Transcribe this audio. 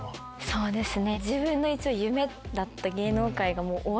そうですね。